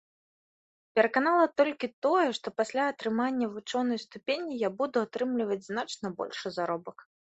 Пераканала толькі тое, што пасля атрымання вучонай ступені я буду атрымліваць значна большы заробак.